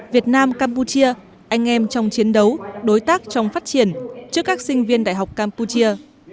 việt nam campuchia anh em trong chiến đấu đối tác trong phát triển trước các sinh viên đại học campuchia